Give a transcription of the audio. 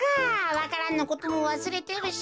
わか蘭のこともわすれてるし。